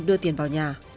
đưa tiền vào nhà